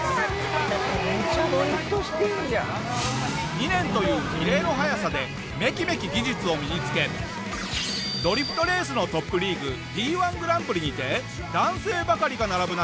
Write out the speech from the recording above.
２年という異例の早さでめきめき技術を身につけドリフトレースのトップリーグＤ１グランプリにて男性ばかりが並ぶ中